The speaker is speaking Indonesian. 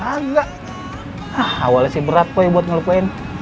ah awalnya sih berat poh buat ngelepon